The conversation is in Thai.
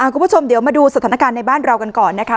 คุณผู้ชมเดี๋ยวมาดูสถานการณ์ในบ้านเรากันก่อนนะคะ